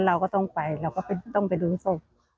เราก็ต้องไปดูศพ